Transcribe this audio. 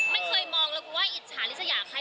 ไม่เคยมองเลยคุณว่าอิจฉาริสยาใคร